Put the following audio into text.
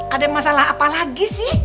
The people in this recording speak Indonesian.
ada masalah apa lagi sih